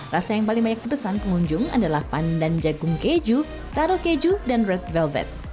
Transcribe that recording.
rasa yang paling banyak dipesan pengunjung adalah pandan jagung keju taro keju dan road velvet